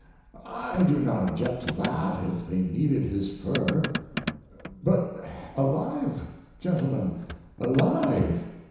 I do not object to that, if they needed his fur; but alive, gentlemen alive!